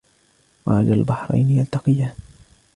مَرَجَ الْبَحْرَيْنِ يَلْتَقِيَانِ